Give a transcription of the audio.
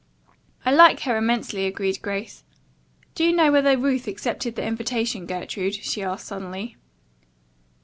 "I like her immensely," agreed Grace. "Do you know whether Ruth accepted the invitation, Gertrude?" she asked suddenly.